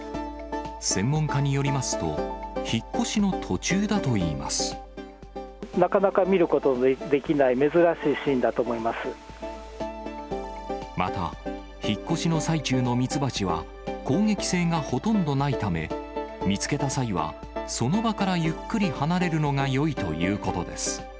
専門家によりますと、引っ越なかなか見ることのできない、また、引っ越しの最中のミツバチは、攻撃性がほとんどないため、見つけた際はその場からゆっくり離れるのがよいということです。